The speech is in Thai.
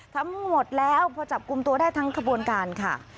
ทั้งหมดแล้วพอจับกลุ่มตัวได้ทั้งขบวนการค่ะ